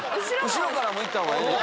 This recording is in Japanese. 後ろからもいった方がええねん。